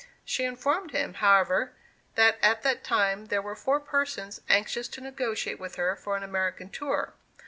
She informed him, however, that at that time there were four persons anxious to negotiate with her for an American tour.